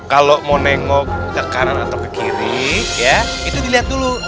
kalau mau nengok ke kanan atau ke kiri ya itu dilihat dulu